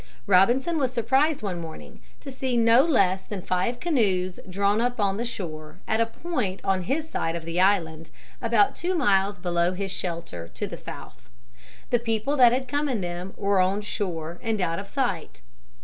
Robinson was surprised one morning to see no less than five canoes drawn up on the shore at a point on his side of the island about two miles below his shelter, to the south. The people that had come in them were on shore and out of sight.